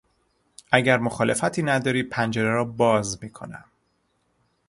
اگر مخالفتی نداری پنجره را باز میکنم.